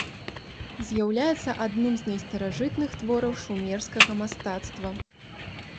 З'яўляецца адным з найстаражытных твораў шумерскага мастацтва.